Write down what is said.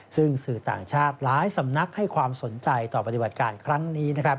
ซึ่งสื่อต่างชาติหลายสำนักให้ความสนใจต่อปฏิบัติการครั้งนี้นะครับ